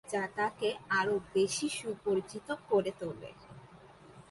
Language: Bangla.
যা তাকে আরো বেশি সুপরিচিত করে তোলে।